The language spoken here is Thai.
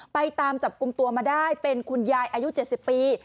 ไปตามจับกลุ่มตัวมาได้เป็นคุณยายอายุ๗๐ปี